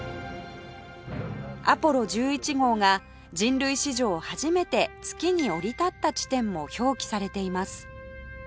アポロ１１号が人類史上初めて月に降り立った地点も表記されています